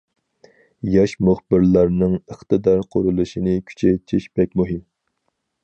ياش مۇخبىرلارنىڭ ئىقتىدار قۇرۇلۇشىنى كۈچەيتىش بەك مۇھىم.